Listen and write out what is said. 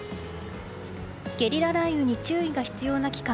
ゲリラ雷雨に注意が必要な期間